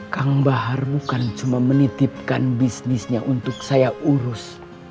kang bahar bukan cuma menitipkan bisnisnya untuk saya urus